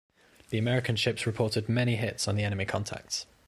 The American ships reported many hits on the enemy contacts.